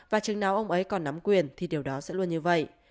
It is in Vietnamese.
và chừng nào ông ấy còn nắm quyền thì điều đó sẽ luôn như vậy